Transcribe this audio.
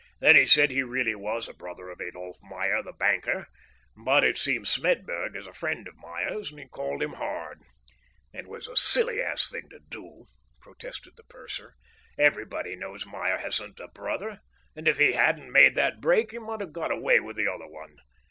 Then he said he really was a brother of Adolph Meyer, the banker; but it seems Smedburg is a friend of Meyer's, and he called him hard! It was a silly ass thing to do," protested the purser. "Everybody knows Meyer hasn't a brother, and if he hadn't made that break he might have got away with the other one.